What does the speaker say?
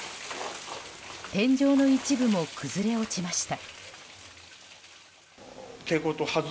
天井の一部も崩れ落ちました。